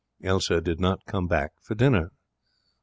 Elsa did not come back for dinner.